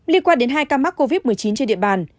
liên quan đến hai ca mắc covid một mươi chín trên địa bàn